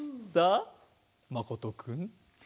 さあまことくん？